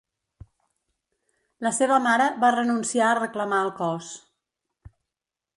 La seva mare va renunciar a reclamar el cos.